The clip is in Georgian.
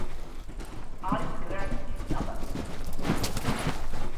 არის გრანიტის საბადო.